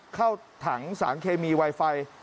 เข้าถังสารเคมีไวไฟ